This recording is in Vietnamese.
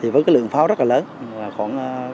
với lượng pháo rất là lớn